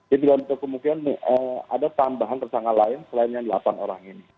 jadi untuk kemungkinan ada tambahan tersangka lain selain yang delapan orang ini